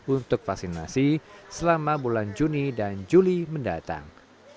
untuk vaksinasi selama bulan juni dan juli mendatang